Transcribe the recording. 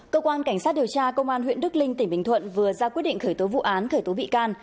cơ quan cảnh sát điều tra công an huyện đức linh tỉnh bình thuận vừa ra quyết định khởi tố vụ án khởi tố bị can